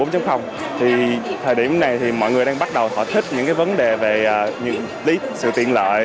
thì thời điểm này thì mọi người đang bắt đầu họ thích những cái vấn đề về sự tiện lợi